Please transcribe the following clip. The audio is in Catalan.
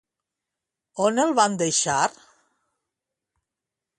On el van deixar?